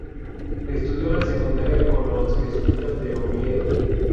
Estudió la Secundaria con los jesuitas de Oviedo.